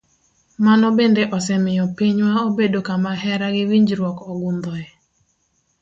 Mano bende osemiyo pinywa obedo kama hera gi winjruok ogundhoe.